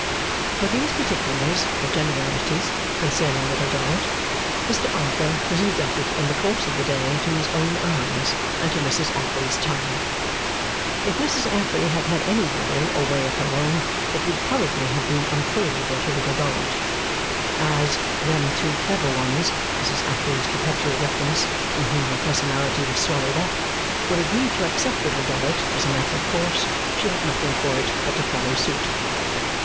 For these particulars or generalities concerning Little Dorrit, Mr Arthur was indebted in the course of the day to his own eyes and to Mrs Affery's tongue. If Mrs Affery had had any will or way of her own, it would probably have been unfavourable to Little Dorrit. But as 'them two clever ones' Mrs Affery's perpetual reference, in whom her personality was swallowed up were agreed to accept Little Dorrit as a matter of course, she had nothing for it but to follow suit.